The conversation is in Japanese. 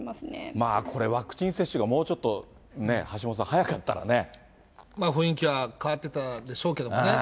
まあこれ、ワクチン接種がもうちょっとね、雰囲気は変わってたでしょうけどもね。